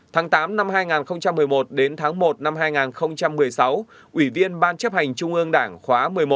tháng tám năm hai nghìn một mươi một đến tháng một năm hai nghìn một mươi sáu ủy viên ban chấp hành trung ương đảng khóa một mươi một